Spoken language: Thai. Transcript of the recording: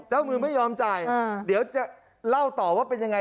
เจ้ามือไม่ยอมจ่ายเดี๋ยวจะเล่าต่อว่าเป็นยังไง